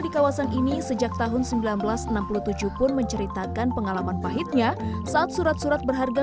di kawasan ini sejak tahun seribu sembilan ratus enam puluh tujuh pun menceritakan pengalaman pahitnya saat surat surat berharga